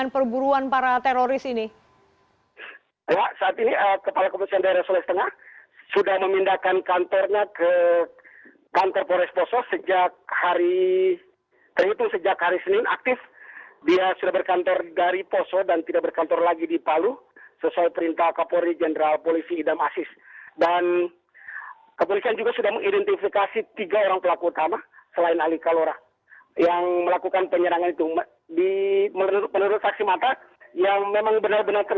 setelah rumah rumah mereka diperbaiki dan polisi sembari melakukan tugasnya warga sudah bisa kembali ke rumah mereka masing masing